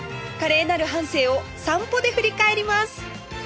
華麗なる半生を散歩で振り返ります